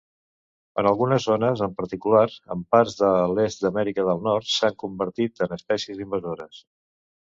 En algunes zones, en particular en parts de l'est d'Amèrica de Nord, s'han convertit en espècies invasores.